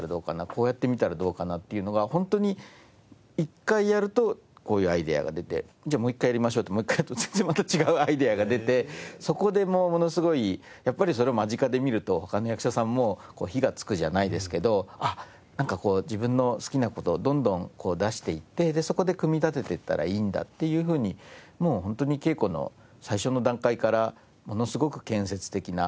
こうやってみたらどうかな？っていうのがホントに１回やるとこういうアイデアが出てじゃあもう一回やりましょうってもう一回やると全然また違うアイデアが出てそこでもうものすごいやっぱりそれを間近で見ると他の役者さんも火がつくじゃないですけどあっなんかこう自分の好きな事どんどん出していってそこで組み立てていったらいいんだっていうふうにもうホントに稽古の最初の段階からものすごく建設的な。